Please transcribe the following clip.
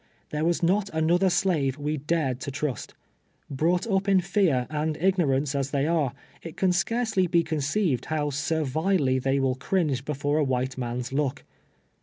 There was not another slave we dared to trust. ]>rou<j;ht up in fear and ignorance as they are, it can scarcely he conceived how servilely they will cringe before a white num's look.